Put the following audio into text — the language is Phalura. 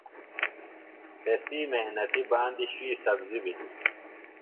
تسی محنتیۡ باندیۡ شُوئی سبزیۡ بِھلیۡ۔